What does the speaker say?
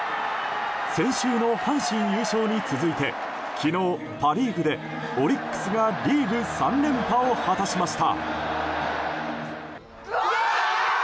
先週の阪神優勝に続いて昨日、パ・リーグでオリックスがリーグ３連覇を果たしました。